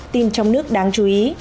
tin trong nước đáng chú ý